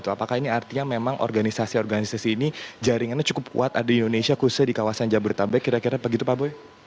apakah ini artinya memang organisasi organisasi ini jaringannya cukup kuat ada di indonesia khususnya di kawasan jabodetabek kira kira begitu pak boy